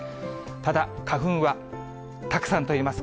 ただ、花粉はたくさん飛びます。